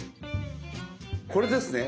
これですね。